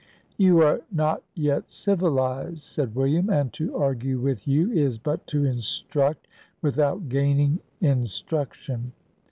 "You are not yet civilised," said William; "and to argue with you is but to instruct, without gaining instruction."